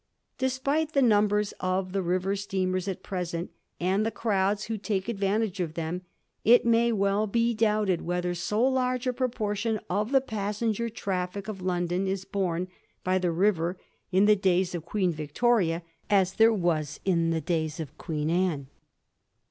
Despite the numbers of the river steamers at present, and the crowds who take advantage of them, it may well be doubted whether 80 large a proportion of the passenger traffic of London is borne by the river in the days of Queen Victoria as there was in the days of Queen Anne.